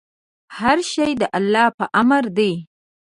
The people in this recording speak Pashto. هر شی د الله په امر دی.